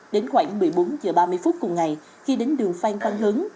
đến khoảng một mươi bốn giờ ba mươi phút cùng ngày khi đến đường phanh văn hướng